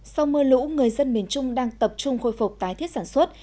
sau mưa lũ người dân miền trung đang tập trung khôi phục tái thiết sản xuất